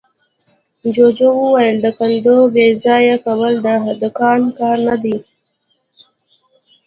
جوجو وويل: د کندو بېځايه کول د دهقان کار نه دی.